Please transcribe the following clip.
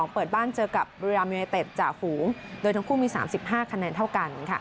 เปิดบ้านเจอกับบุรีรัมยูเนเต็ดจ่าฝูงโดยทั้งคู่มี๓๕คะแนนเท่ากัน